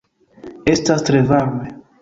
Estas tre varme.